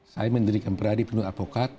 saya menderita di peradi penuh advokat